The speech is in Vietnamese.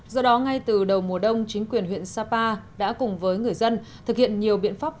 do đó ngay từ đầu mùa đông chính quyền huyện sapa đã cùng với người dân thực hiện nhiều biện pháp